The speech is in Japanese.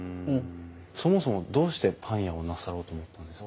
そもそもどうしてパン屋をなさろうと思ったんですか？